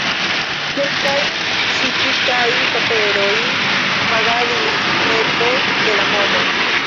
Kelkaj ĉifitaj paperoj vagadis meze de la mono.